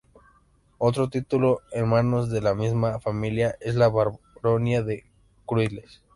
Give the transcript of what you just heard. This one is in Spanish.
Otro título en manos de la misma familia es la Baronía de Cruïlles.